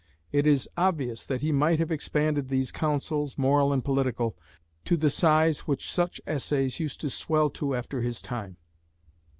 It is obvious that he might have expanded these "Counsels, moral and political," to the size which such essays used to swell to after his time.